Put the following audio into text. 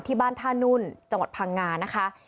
ที่บ้านท่านุ่นจังหวัดพังงานะคะ